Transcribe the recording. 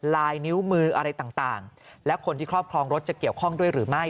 ลายนิ้วมืออะไรต่างและคนที่ครอบครองรถจะเกี่ยวข้องด้วยหรือไม่